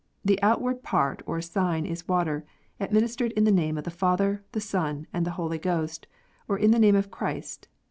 The out ward part or sign is water, administered in the name of the Father, the Son, and the Holy Ghost, or in the name of Christ.